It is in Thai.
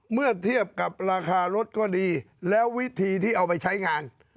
เมื่อเทียบกับราคารถก็ดีแล้ววิธีที่เอาไปใช้งาน